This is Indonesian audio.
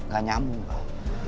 gak nyambung pak